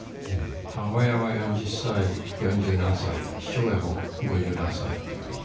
母親は４０歳、四十何歳、父親も五十何歳というふうに。